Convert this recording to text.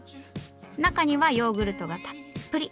中にはヨーグルトがたっぷり。